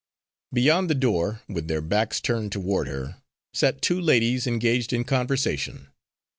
Beyond the door, with their backs turned toward her, sat two ladies engaged in conversation.